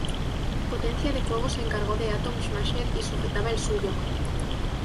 Potencia de Fuego se encargó de Atom Smasher y sujetaba el suyo.